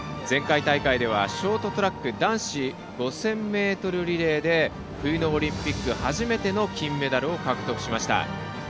前回大会ではショートトラック男子５０００ｍリレーで冬のオリンピック初めての金メダルを獲得しました。